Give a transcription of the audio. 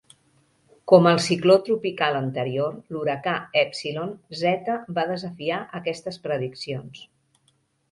Com el cicló tropical anterior, l"huracà Epsilon, Zeta va desafiar aquestes prediccions.